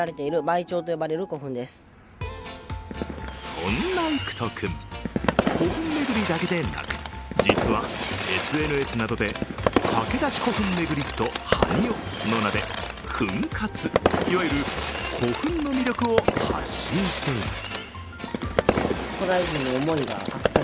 そんな郁仁君、古墳巡りだけでなく実はＳＮＳなどで「駆け出し古墳めぐりすと・はにお」の名で墳活、いわゆる古墳の魅力を発信しています。